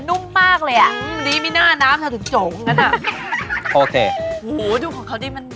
นุ่มมากเลยอ่ะอืมดีไม่น่านะเพราะฉะนั้นจงโอเคโอ้โหดูของเขาดีมัน